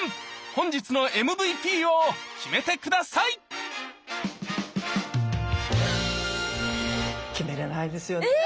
本日のＭＶＰを決めて下さい決めれないですよねえ。